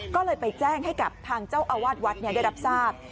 ก็เลยไปแจ้งให้กับทางเจ้าอาวาสวัดได้รับทราบ